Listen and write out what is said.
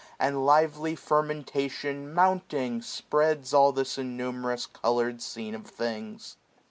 And lively fermentation, mounting, spreads All this innumerous colour'd scene of things.